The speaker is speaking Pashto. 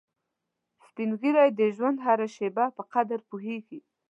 سپین ږیری د ژوند هره شېبه په قدر پوهیږي